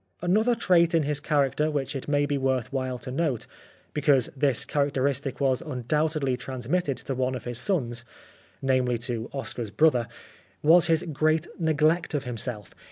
Another trait in his character which it may be worth while to note, because this character istic was undoubtedly transmitted to one of his sons, namely to Oscar's brother, was his great neglect of himself.